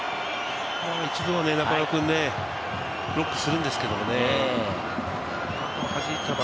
一度はブロックするんですけれどもね。